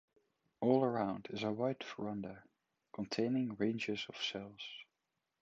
All around is a wide verandah, containing ranges of cells.